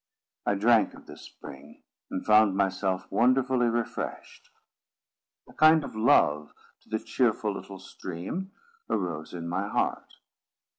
I drank of this spring, and found myself wonderfully refreshed. A kind of love to the cheerful little stream arose in my heart.